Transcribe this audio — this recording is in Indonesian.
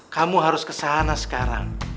kamu harus ke sana sekarang